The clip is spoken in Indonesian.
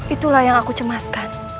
itulah yang aku cemaskan